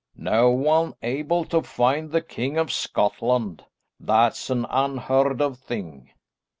"No one able to find the King of Scotland? That's an unheard of thing."